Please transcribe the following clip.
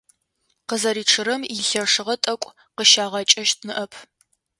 Къызэричъырэм илъэшыгъэ тӀэкӀу къыщагъэкӀэщт ныӀэп.